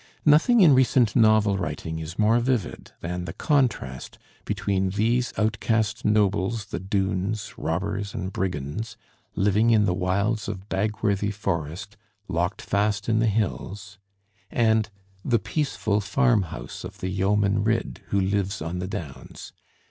Nothing in recent novel writing is more vivid than the contrast between these outcast nobles the Doones, robbers and brigands, living in the wilds of Bagworthy Forest, locked fast in the hills, and the peaceful farm house of the yeoman Ridd who lives on the Downs.